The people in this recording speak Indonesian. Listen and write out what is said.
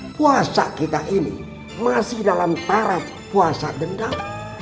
puasa kita ini masih dalam taraf puasa dendam